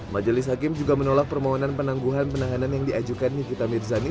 majelis hakim juga menolak permohonan penangguhan penahanan yang diajukan nikita mirzani